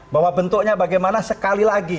bahwa bentuknya bagaimana sekali lagi